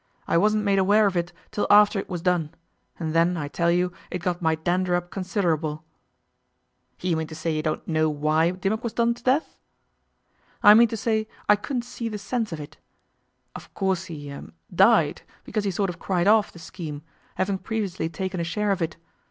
I wasn't made aware of it till after it was done, and then I tell you it got my dander up considerable.' 'You mean to say you don't know why Dimmock was done to death?' 'I mean to say I couldn't see the sense of it. Of course he er died, because he sort of cried off the scheme, having previously taken a share of it.